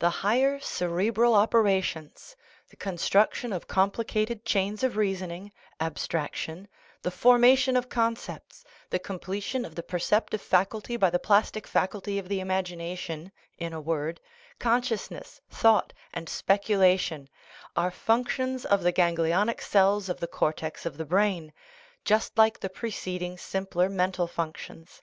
The higher 16 THE NATURE OF THE PROBLEM cerebral operations, the construction of complicated chains of reasoning, abstraction, the formation of con cepts, the completion of the perceptive faculty by the plastic faculty of the imagination in a word, conscious ness, thought, and speculation are functions of the ganglionic cells of the cortex of the brain, just like the preceding simpler mental functions.